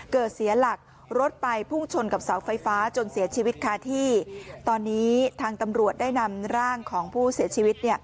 เสียหลักรถไปพุ่งชนกับเสาไฟฟ้าจนเสียชีวิตค่ะที่ตอนนี้ทางตำรวจได้นำร่างของผู้เสียชีวิต